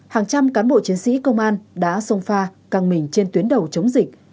hàng trăm cán bộ chiến sĩ công an đã sông pha căng mình trên tuyến đầu chống dịch